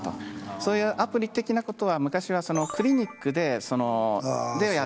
そういうアプリ的なことは。